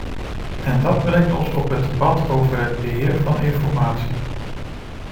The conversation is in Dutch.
En dat brengt ons op het debat over het beheer van informatie.